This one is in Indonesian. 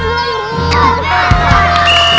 gol yang amat menarik